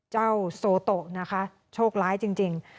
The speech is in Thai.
เจ้าโซโตะนะคะโชคร้ายจริง